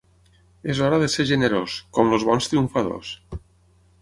És hora de ser generós, com els bons triomfadors.